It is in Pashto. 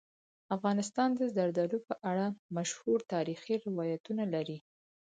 افغانستان د زردالو په اړه مشهور تاریخی روایتونه لري.